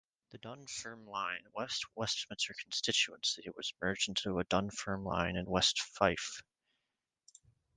The Dunfermline West Westminster constituency was merged into Dunfermline and West Fife.